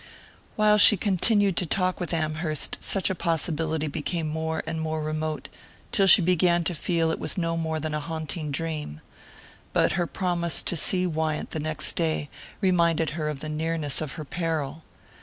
While she continued to talk with Amherst such a possibility became more and more remote, till she began to feel it was no more than a haunting dream. But her promise to see Wyant the next day reminded her of the nearness of her peril.